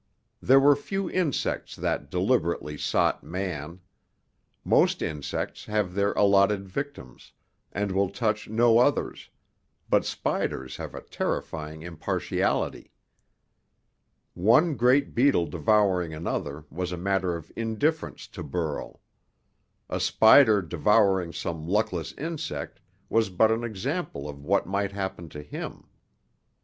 There were few insects that deliberately sought man. Most insects have their allotted victims, and will touch no others, but spiders have a terrifying impartiality. One great beetle devouring another was a matter of indifference to Burl. A spider devouring some luckless insect was but an example of what might happen to him.